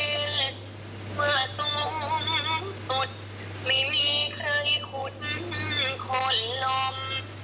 เมื่อสูงสุดไม่มีใครคุ้นขนลม